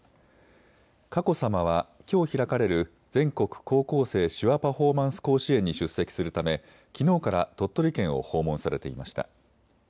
佳子さまはきょう開かれる全国高校生手話パフォーマンス甲子園に出席するためきのうから鳥取県を訪問されていました。